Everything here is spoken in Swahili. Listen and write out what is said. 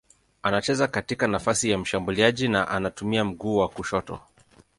Anacheza katika nafasi ya mshambuliaji na anatumia mguu wa kushoto.